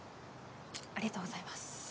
ありがとうございます。